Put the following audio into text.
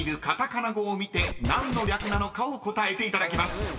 カタカナ語を見て何の略なのかを答えていただきます］